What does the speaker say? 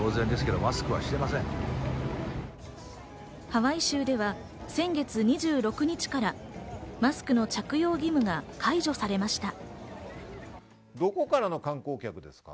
ハワイ州では先月２６日からマスクの着用義務が解除されました。